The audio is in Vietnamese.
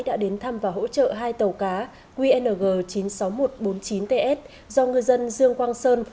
đã đến thăm và hỗ trợ hai tàu cá qng chín mươi sáu nghìn một trăm bốn mươi chín ts do ngư dân dương quang sơn